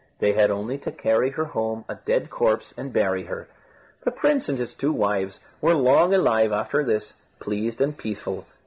They had only to carry her home a dead corpse and bury her. The prince and his two wives were long alive after this, pleased and peaceful.